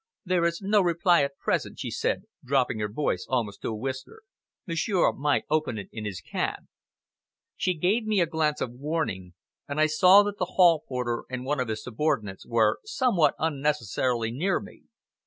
"There is no reply at present," she said, dropping her voice almost to a whisper. "Monsieur might open it in his cab." She gave me a glance of warning, and I saw that the hall porter and one of his subordinates were somewhat unnecessarily near me.